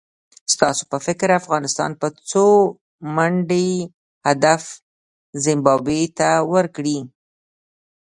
ستاسو په فکر افغانستان به څو منډي هدف زیمبابوې ته ورکړي؟